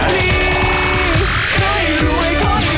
ร้อย